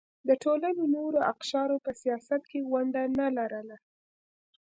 د ټولنې نورو اقشارو په سیاست کې ونډه نه لرله.